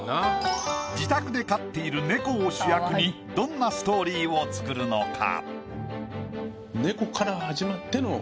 自宅で飼っている猫を主役にどんなストーリーを作るのか？